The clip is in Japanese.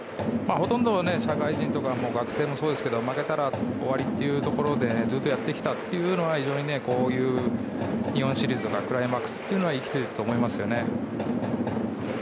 ほとんど社会人とか学生もそうですが負けたら終わりというところでずっとやってきたというのは非常に、日本シリーズやクライマックスには生きてくると思いますね。